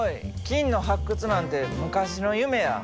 金の発掘なんて昔の夢や。